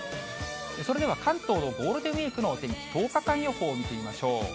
それでは関東のゴールデンウィークのお天気１０日間予報を見てみましょう。